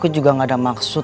jangan gitu yang jadinya